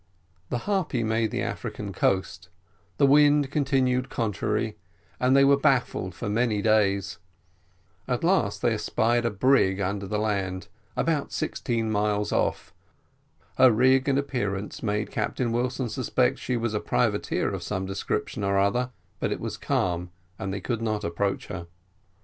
The Harpy made the African coast, the wind continued contrary, and they were baffled for many days; at last they espied a brig under the land, about sixteen miles off; her rig and appearance made Captain Wilson suspect that she was a privateer of some description or another, but it was calm, and they could not approach her.